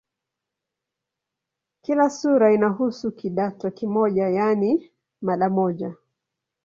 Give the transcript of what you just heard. Kila sura inahusu "kidato" kimoja, yaani mada moja.